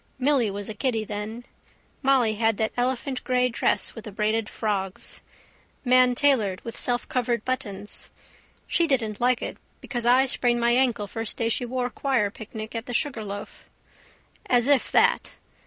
Milly was a kiddy then. Molly had that elephantgrey dress with the braided frogs. Mantailored with selfcovered buttons. She didn't like it because I sprained my ankle first day she wore choir picnic at the Sugarloaf. As if that.